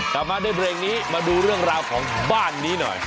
กลับมาด้วยเพลงนี้มาดูเรื่องราวของบ้านนี้หน่อย